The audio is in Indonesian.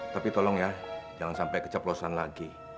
tapi tolong ya jangan sampai kecoplosan lagi